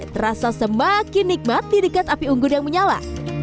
terasa semakin nikmat di dekat api unggun yang menyala